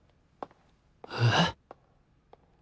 えっ。